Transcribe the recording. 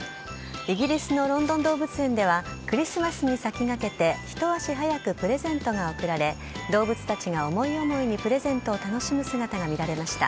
イギリスのロンドン動物園ではクリスマスに先駆けてひと足早くプレゼントが贈られ動物たちが思い思いにプレゼントを楽しむ姿が見られました。